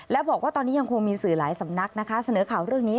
และบอกว่าตอนนี้ยังคงมีสื่อหลายสำนักนะคะเสนอข่าวเรื่องนี้